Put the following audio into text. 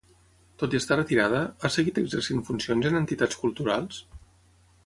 Tot i estar retirada, ha seguit exercint funcions en entitats culturals?